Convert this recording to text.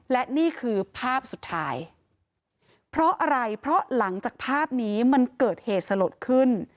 และนี่คือภาพสุดท้ายเพราะอะไรเพราะหลังจากภาพนี้มันเกิดเหตุสลดขึ้น